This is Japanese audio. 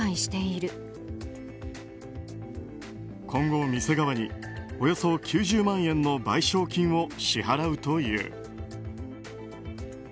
今後、店側におよそ９０万円の賠償金を支払うという。